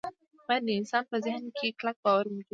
باید د انسان په ذهن کې کلک باور موجود وي